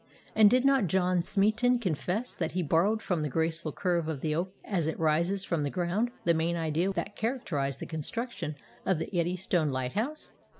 And did not John Smeaton confess that he borrowed from the graceful curve of the oak as it rises from the ground the main idea that characterized the construction of the Eddystone lighthouse?